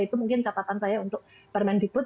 itu mungkin catatan saya untuk permendikbud